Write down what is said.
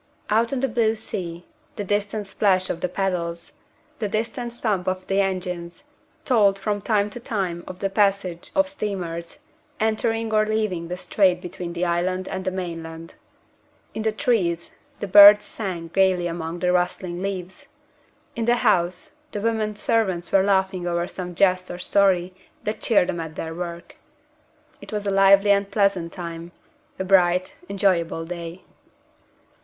Out on the blue sea, the distant splash of the paddles, the distant thump of the engines, told from time to time of the passage of steamers, entering or leaving the strait between the island and the mainland. In the trees, the birds sang gayly among the rustling leaves. In the house, the women servants were laughing over some jest or story that cheered them at their work. It was a lively and pleasant time a bright, enjoyable day.